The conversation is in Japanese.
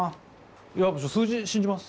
いや数字信じます。